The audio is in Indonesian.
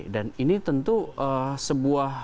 dan ini tentu sebuah